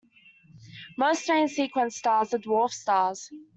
Most main sequence stars are dwarf stars.